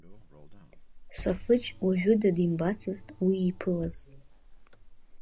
Сафыџь уажәада димбацызт уи иԥылаз.